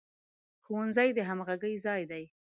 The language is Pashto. ښوونځی د همغږۍ ځای دی